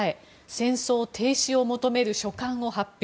戦争停止を求める書簡を発表。